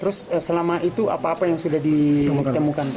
terus selama itu apa apa yang sudah ditemukan